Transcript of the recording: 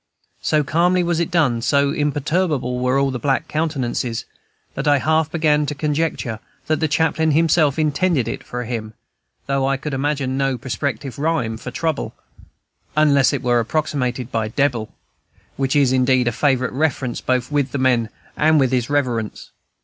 So calmly was it done, so imperturbable were all the black countenances, that I half began to conjecture that the chaplain himself intended it for a hymn, though I could imagine no prospective rhyme for trouble unless it were approximated by debbil, which is, indeed, a favorite reference, both with the men and with his Reverence.